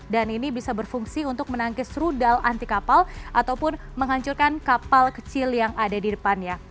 dan ini bisa berfungsi untuk menangkis rudal anti kapal ataupun menghancurkan kapal kecil yang ada di depannya